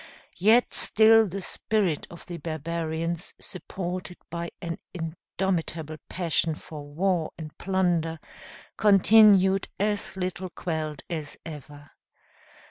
Yet still the spirit of the barbarians, supported by an indomitable passion for war and plunder, continued as little quelled as ever.